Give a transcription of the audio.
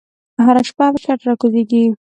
هره شپه چت راکوزیږې